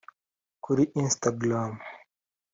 Kuri Instagram